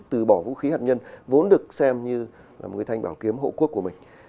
từ bỏ vũ khí hạt nhân vốn được xem như là một thanh bảo kiếm hộ quốc của mình